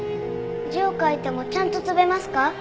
字を書いてもちゃんと飛べますか？